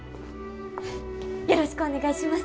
よろしくお願いします！